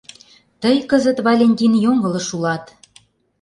Тый кызыт, Валентин, йоҥылыш улат!